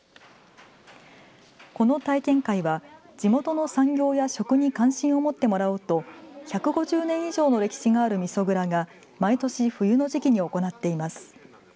この体験会は地元の産業や食に関心を持ってもらおうと１５０年以上の歴史があるみそ蔵が毎年冬の時期に行っています。